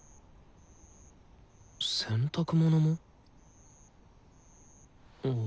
洗濯物も。